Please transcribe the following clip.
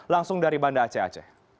langsung dari banda aceh aceh